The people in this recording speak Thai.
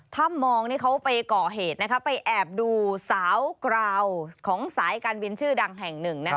ถ้ำมองนี่เขาไปก่อเหตุไปแอบดูสาวกราวของสายการบินชื่อดังแห่งหนึ่ง